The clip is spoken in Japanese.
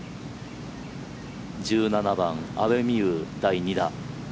１７番、阿部未悠第２打。